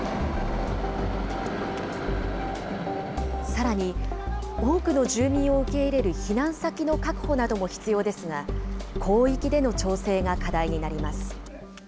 さらに、多くの住民を受け入れる避難先の確保なども必要ですが、広域での調整が課題になります。